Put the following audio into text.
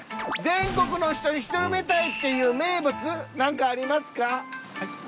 全国の人に広めたいっていう名物何かありますか？